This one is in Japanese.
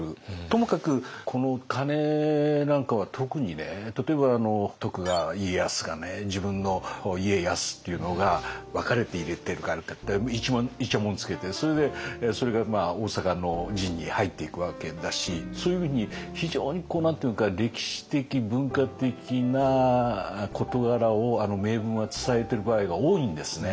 ともかくこの鐘なんかは特にね例えば徳川家康が自分の「家康」っていうのが分かれて入れてるからっていちゃもんをつけてそれでそれが大坂の陣に入っていくわけだしそういうふうに非常に何ていうか歴史的文化的な事柄をあの銘文は伝えている場合が多いんですね。